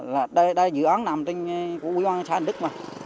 là dự án nằm trên quỹ bà nghị xã hành đức mà